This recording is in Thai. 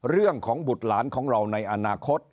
เรื่องของบุตรหลานของเราในอนาคต